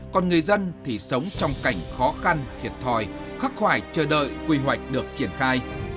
còn người dân thì sống trong cảnh khó khăn thiệt thòi khắc khoải chờ đợi quy hoạch được triển khai